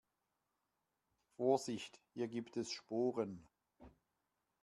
Vorsicht, hier gibt es Sporen.